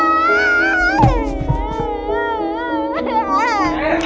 ไม่ได้มีใครรักฉันเลย